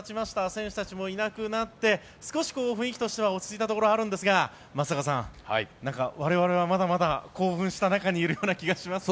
選手もいなくなって少し雰囲気としては落ち着いたところがあるんですが松坂さん我々はまだまだ興奮した中にいるような気がしますね。